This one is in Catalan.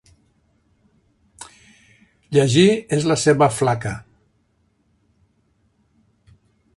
Llegir és la seva flaca.